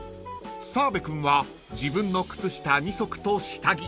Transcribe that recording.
［澤部君は自分の靴下２足と下着］